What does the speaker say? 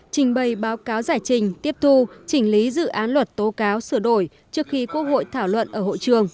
trình bày báo cáo giải trình tiếp thu trình lý dự án luật tố cáo sửa đổi trước khi quốc hội thảo luận ở hội trường